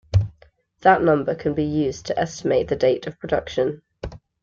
That number can be used to estimate the date of production.